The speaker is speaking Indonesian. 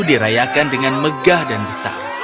dirayakan dengan megah dan besar